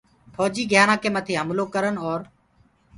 ڦوجيٚ گھيارآنٚ ڪي مٿي هملو ڪرن اور